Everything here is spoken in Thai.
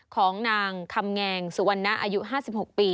ของนางคำแงงสุวรรณะอายุ๕๖ปี